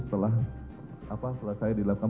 setelah saya dilakukan